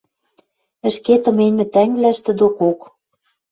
Ӹшке тыменьмӹ тӓнгвлӓштӹ докок.